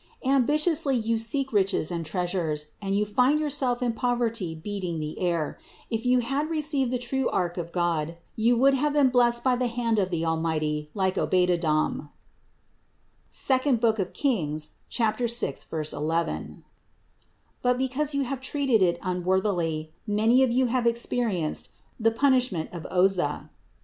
Ambitiously you seek riches and treasures, and you find yourself in poverty beating the air; if you had received the true ark of God, you would have been blessed by the hand of the Almighty, like Obededom (II Kings, 6, 11) ; but because you have treated it unworthily, many of you have experienced the punishment of Oza.